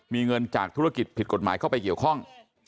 มีเงินจากธุรกิจผิดกฎหมายเข้าไปเกี่ยวข้อง